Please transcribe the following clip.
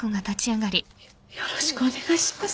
よっよろしくお願いします。